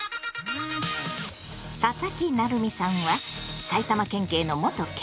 佐々木成三さんは埼玉県警の元刑事。